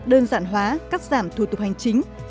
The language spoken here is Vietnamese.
đơn giản hóa cắt giảm thu tập hành chính